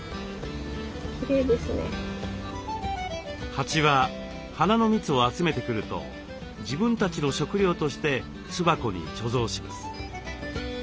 蜂は花の蜜を集めてくると自分たちの食料として巣箱に貯蔵します。